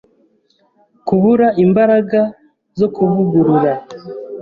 kubura imbaraga zo kuvugurura,